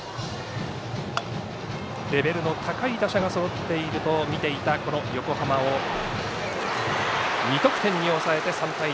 レベルの高い打者がそろっていると見ていたこの横浜を２得点に抑えて３対２。